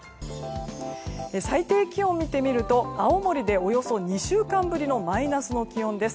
最低気温を見てみると青森でおよそ２週間ぶりのマイナスの気温です。